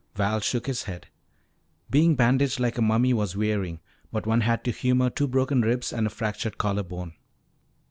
Val shook his head. Being bandaged like a mummy was wearying, but one had to humor two broken ribs and a fractured collar bone.